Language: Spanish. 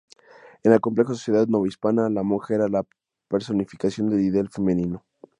En la compleja sociedad novohispana, la monja era la personificación del ideal femenino.